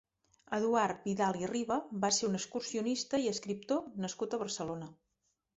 Eduard Vidal i Riba va ser un excursionista i escriptor nascut a Barcelona.